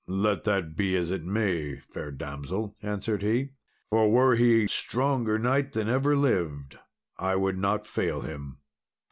"Let that be as it may, fair damsel," answered he, "for were he stronger knight than ever lived, I would not fail him.